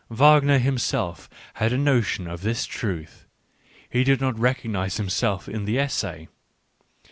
Wagner himself had a notion of the truth ; he did not recognise himself in the essay.